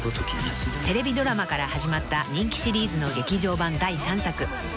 ［テレビドラマから始まった人気シリーズの劇場版第３作］